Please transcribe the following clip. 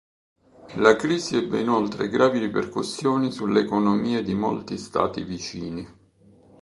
La crisi ebbe inoltre gravi ripercussioni sulle economie di molti Stati vicini.